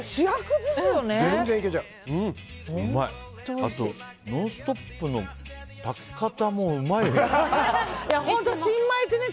あと「ノンストップ！」の炊き方もうまいよね。